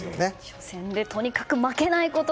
初戦でとにかく負けないこと。